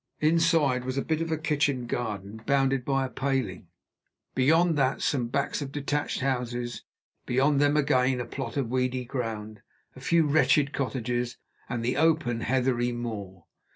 Inside was a bit of kitchen garden, bounded by a paling; beyond that some backs of detached houses; beyond them, again, a plot of weedy ground, a few wretched cottages, and the open, heathery moor.